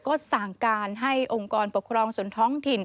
ก็สั่งการให้องค์กรปกครองส่วนท้องถิ่น